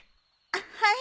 あっはい。